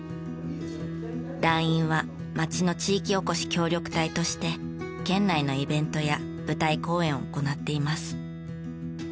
団員は町の地域おこし協力隊として県内のイベントや舞台公演を行っています。